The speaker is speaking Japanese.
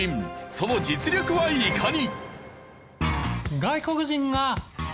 その実力はいかに？